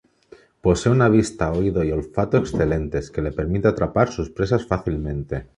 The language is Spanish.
Posee una vista, oído y olfato excelentes, que le permite atrapar sus presas fácilmente.